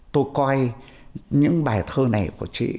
tôi coi những bài thơ này của chị